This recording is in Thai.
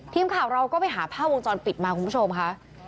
ทีมข่าวเราก็ไปหาภาพวงจรปิดมาคุณผู้ชมค่ะ